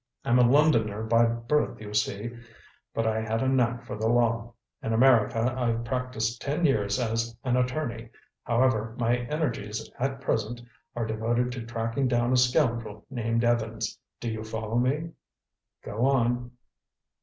I'm a Londoner by birth, you see. But I had a knack for the law. In America I've practised ten years as an attorney. However, my energies at present are devoted to tracking down a scoundrel named Evans. Do you follow me?" "Go on."